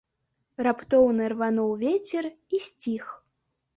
Раптоўна рвануў вецер і сціх.